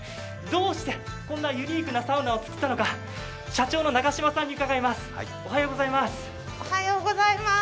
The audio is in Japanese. どうしてこんなユニークなサウナを作ったのか、社長の中島さんに伺います。